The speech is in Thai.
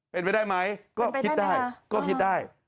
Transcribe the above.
เป็นไปได้ไหมก็คิดได้